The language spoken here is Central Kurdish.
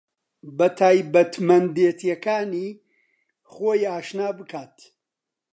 بە تایبەتمەندێتییەکانی خۆی ئاشنا بکات